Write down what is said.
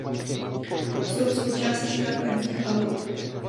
Jsou součástí Západních Alp.